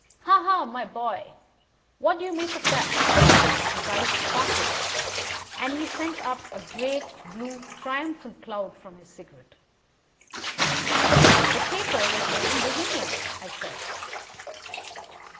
Ha! ha! my boy, what do you make of that?" His eyes sparkled, and he sent up a great blue triumphant cloud from his cigarette. "The paper was made in Bohemia," I said.